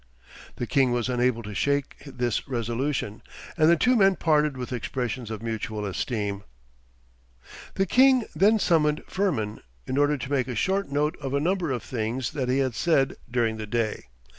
The king was unable to shake this resolution, and the two men parted with expressions of mutual esteem. The king then summoned Firmin in order to make a short note of a number of things that he had said during the day.